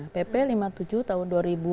pp lima puluh tujuh tahun dua ribu tujuh